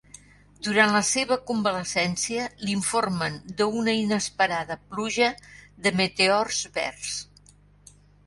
Durant la seva convalescència l'informen d'una inesperada pluja de meteors verds.